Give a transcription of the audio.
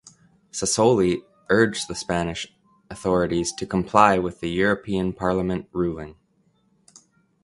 Sassoli urged the Spanish authorities to comply with the European Parliament ruling.